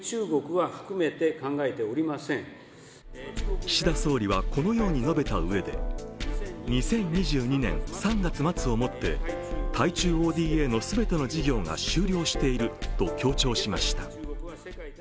岸田総理はこのように述べたうえで２０２２年３月末をもって対中ＯＤＡの全ての事業が終了していると強調しました。